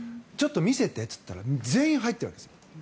ちょっと見せてと言ったら全員入っているわけです。